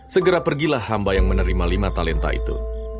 segera pergilah hamba yang menerima lima talenta itu